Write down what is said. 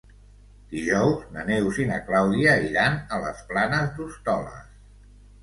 Dilluns na Neus i na Clàudia iran a les Planes d'Hostoles.